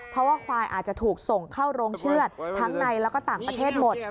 เพราะว่าควายอาจจะถูกส่งเข้าโรงเชือดทั้งในแล้วก็ต่างประเทศหมด